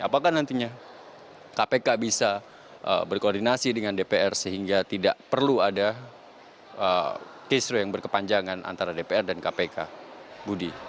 apakah nantinya kpk bisa berkoordinasi dengan dpr sehingga tidak perlu ada kisru yang berkepanjangan antara dpr dan kpk budi